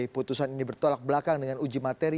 putusan ini bertolak belakang dengan uji materi